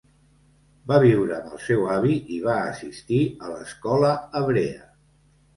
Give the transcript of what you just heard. Va viure amb el seu avi, i va assistir a l'escola hebrea.